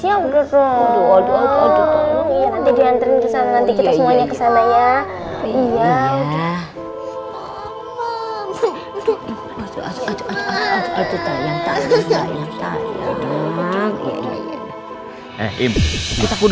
jangan nangis ya bro